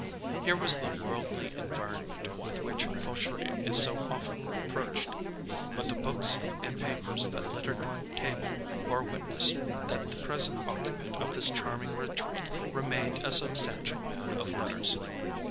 Here was the worldly environment with which Fauchery is so often reproached. But the books and papers that littered the table bore witness that the present occupant of this charming retreat remained a substantial man of letters.